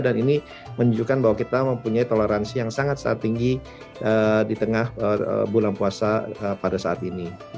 dan ini menunjukkan bahwa kita mempunyai toleransi yang sangat sangat tinggi di tengah bulan puasa pada saat ini